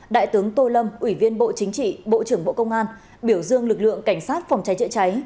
đại tướng tô lâm ủy viên bộ chính trị bộ trưởng bộ công an biểu dương lực lượng cảnh sát phòng cháy chữa cháy